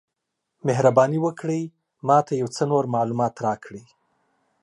مهرباني وکړئ ما ته یو څه نور معلومات راکړئ؟